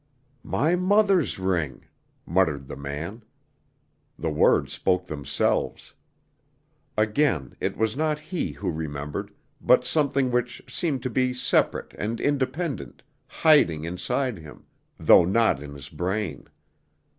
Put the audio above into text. "My mother's ring," muttered the man. The words spoke themselves. Again, it was not he who remembered, but something which seemed to be separate and independent, hiding inside him, though not in his brain.